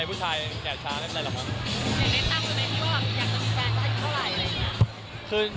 อยากจะมีแฟนจะอยู่เท่าไร